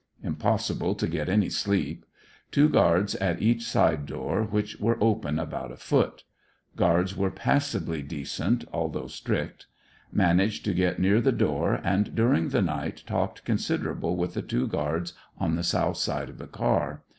Impossible to get any sleep. Two guards at each side door, which were open about a foot. Guards were passably decent, although strict. Managed to *get near the door, and during the night talked considerable with the two guards on the south side of the car.